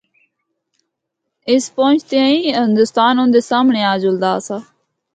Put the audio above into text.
اس پہنچدیاں ہی ہندوستان اُندے سامنڑے آ جلدا آسا۔